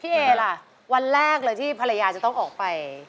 เอล่ะวันแรกเลยที่ภรรยาจะต้องออกไป